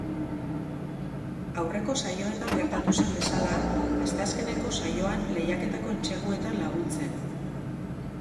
Aurreko saioetan gertatu zen bezala, asteazkeneko saioan lehiaketako entseguetan laguntzen.